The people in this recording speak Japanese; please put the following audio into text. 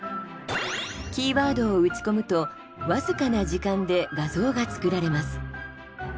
キーワードを打ち込むと僅かな時間で画像が作られます。